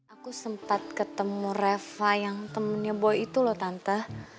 aku sempat ketemu reva yang temennya boy itu loh tante